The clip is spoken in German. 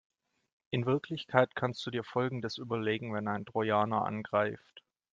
In Wirklichkeit kannst du dir folgendes überlegen wenn ein Trojaner angreift.